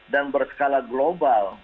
dan berskala global